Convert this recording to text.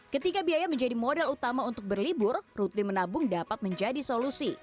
ketika biaya menjadi modal utama untuk berlibur rutin menabung dapat menjadi solusi